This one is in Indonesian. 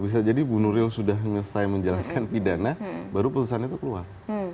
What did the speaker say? bisa jadi ibu nuril sudah selesai menjalankan pidana baru putusan itu keluar